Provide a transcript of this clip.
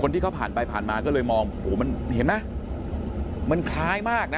ที่เขาผ่านไปผ่านมาก็เลยมองโอ้โหมันเห็นไหมมันคล้ายมากนะ